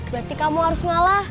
berarti kamu harus ngalah